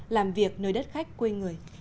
làm việc nơi đất khách quê người